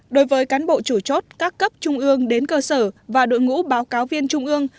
đối với cán bộ chủ chốt các cấp trung ương đến cơ sở và đội ngũ báo cáo viên trung ương